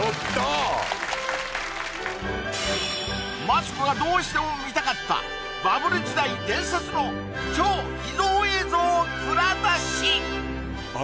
マツコがどうしても見たかったバブル時代伝説の超秘蔵映像を蔵出し！